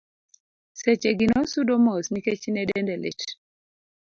seche gi nosudo mos nikech ne dende lit